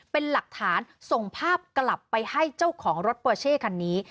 เป็นหลักฐานส่งภาพกลับไปให้เจ้าของรถปอเช่คันนี้